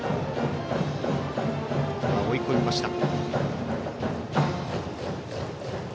追い込みました。